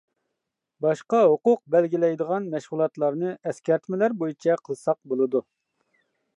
باشقا ھوقۇق بەلگىلەيدىغان مەشغۇلاتلارنى ئەسكەرتمىلەر بويىچە قىلساق بولىدۇ.